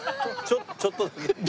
ちょっとだけ。